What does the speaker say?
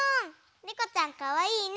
ねこちゃんかわいいね。